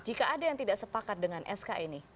jadi kalau tidak ada yang tidak sepakat dengan sk ini